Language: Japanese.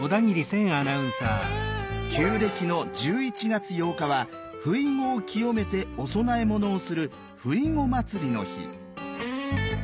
旧暦の１１月８日はふいごを清めてお供え物をするふいご祭りの日。